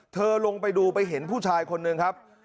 ลงไปดูไปเห็นผู้ชายคนหนึ่งครับ